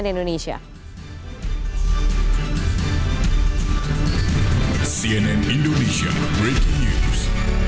cnn indonesia breaking news